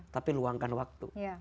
tapi luangkan waktu